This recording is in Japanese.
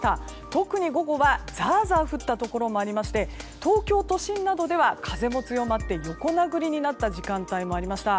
特に午後は、ザーザー降ったところもありまして東京都心などでは風も強まって横殴りになった時間帯もありました。